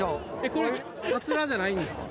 これかつらじゃないんですか？